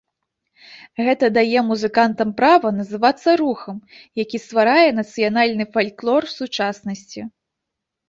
Гэта дае музыкантам права называцца рухам, які стварае нацыянальны фальклор сучаснасці.